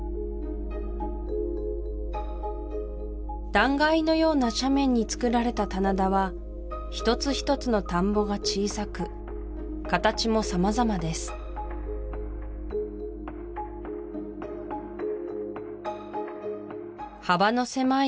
断崖のような斜面につくられた棚田は一つ一つの田んぼが小さく形も様々です幅の狭い